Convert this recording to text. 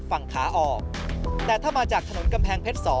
ฝั่งขาออกแต่ถ้ามาจากถนนกำแพงเพชร๒